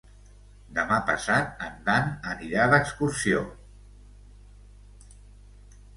Demà passat en Dan anirà d'excursió.